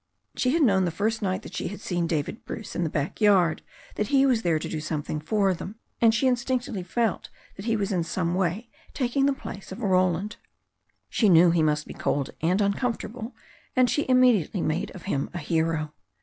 She had known the first night that she had seen David Bruce in the back yard that he was there to do something for them, and she instinctively felt that he was in some way taking the place of Roland. She knew he must be cold and uncomfortable, and she immediately made of him a hero.